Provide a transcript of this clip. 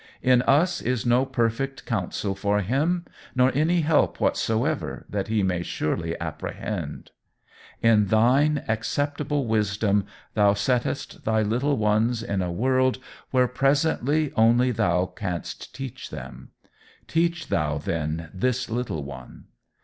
In us is no perfect counsel for him nor any help whatsoever that he may surely apprehend. In Thine acceptable wisdom Thou settest Thy little ones in a world where presently only Thou canst teach them: teach Thou then this little one.